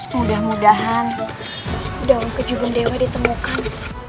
mudah mudahan daun kejubung dewa ditemukan